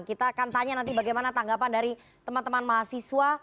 kita akan tanya nanti bagaimana tanggapan dari teman teman mahasiswa